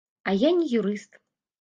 А я не юрыст.